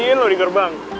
kunciin lo di gerbang